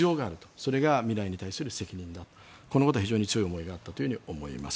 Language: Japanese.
それが未来に対する責任だとこのことは非常に強い思いがあったと思います。